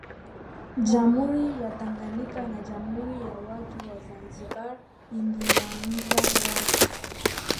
Jamhuri ya Tanganyika na Jamhuri ya Watu wa Zanzibar ilianza rasmi